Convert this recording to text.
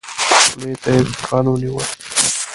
خولې ته يې سوکان ونيول.